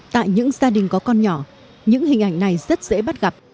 tại những gia đình có con nhỏ những hình ảnh này rất dễ bắt gặp